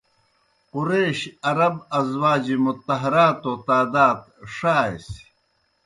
قُریش عرب ازواجِ مُطہراتو تعداد ݜہ سیْ۔